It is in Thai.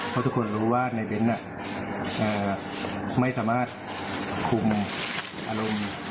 เพราะทุกคนรู้ว่าในเบ้นไม่สามารถคุมอารมณ์